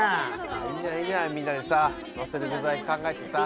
いいじゃないいいじゃないみんなでさのせる具材考えてさ。